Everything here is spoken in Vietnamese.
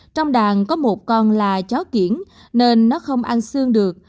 trong đàn có một con là chó kiển nên nó không ăn xương được